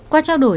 qua trao đổi